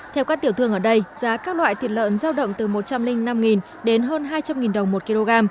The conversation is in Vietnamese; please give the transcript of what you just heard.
theo các tiểu thương ở đây giá các loại thịt lợn giao động từ một trăm linh năm đến hơn hai trăm linh đồng một kg